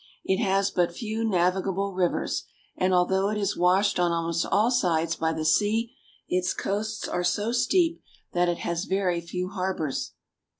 It has but few navigable rivers, and although it is washed on almost all sides by the sea, its coasts are so steep that it has very few harbors.